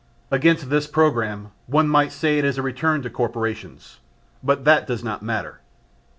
Against this programme one might say it is a return to corporations. But that does not matter.